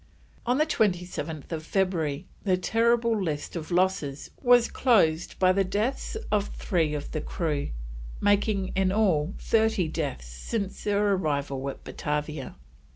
On 27th February the terrible list of losses was closed by the deaths of three of the crew, making in all thirty deaths since their arrival at Batavia.